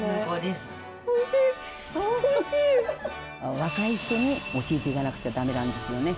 若い人に教えていかなくちゃだめなんですよね。